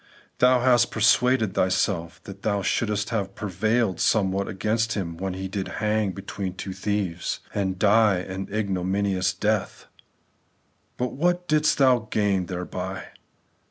Thou hast persuaded thyself that thou shouldest have prevailed somewhat against Him when He did hang between two thieves, and died an ignominious death ; but what didst thou gain thereby